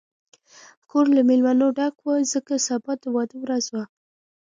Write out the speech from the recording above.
کور له مېلمنو ډک و، ځکه سبا د واده ورځ وه.